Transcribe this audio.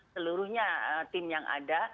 seluruhnya tim yang ada